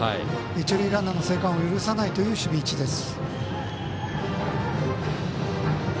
一塁ランナーの生還を許さないという守備位置です。